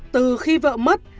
từ khi vợ mất